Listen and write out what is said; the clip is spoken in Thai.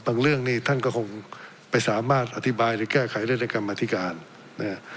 เรื่องนี้ท่านก็คงไม่สามารถอธิบายหรือแก้ไขได้ในกรรมธิการนะฮะ